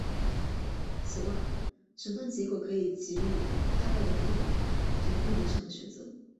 此外诊断结果可以给予胎儿的父母人工流产的选择。